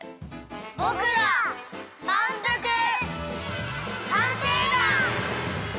ぼくらまんぷく探偵団！